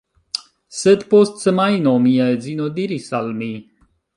Sed, post semajno, mia edzino diris al mi: